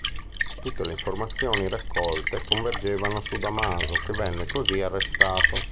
Tutte le informazioni raccolte convergevano su Dámaso, che venne così arrestato.